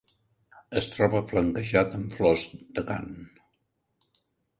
Es troba flanquejat amb flors d'acant.